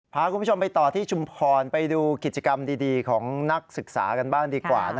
พาคุณผู้ชมไปต่อที่ชุมพรไปดูกิจกรรมดีของนักศึกษากันบ้างดีกว่า